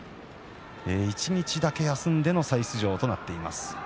一日だけ休んでの再出場となっています。